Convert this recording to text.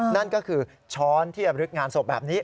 นั่นก็คือช้อนที่อำลึกงานศพแบบนี้